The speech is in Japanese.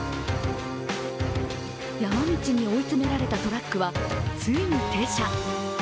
山道に追い詰められたトラックは、ついに停車。